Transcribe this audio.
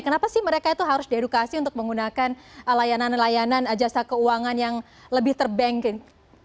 kenapa sih mereka itu harus diedukasi untuk menggunakan layanan layanan jasa keuangan yang lebih terbanking